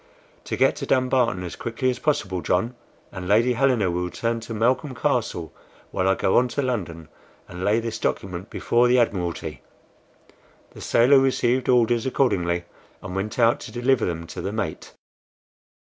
"To get to Dunbarton as quickly as possible, John; and Lady Helena will return to Malcolm Castle, while I go on to London and lay this document before the Admiralty." The sailor received orders accordingly, and went out to deliver them to the mate.